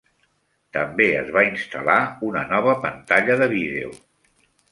També es va instal·lar una nova pantalla de vídeo.